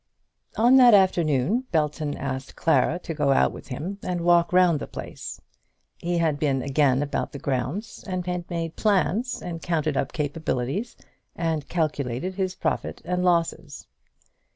On that afternoon Belton asked Clara to go out with him, and walk round the place. He had been again about the grounds, and had made plans, and counted up capabilities, and calculated his profit and losses.